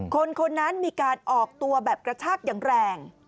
คนคนนั้นมีการออกตัวแบบกระชากอย่างแรง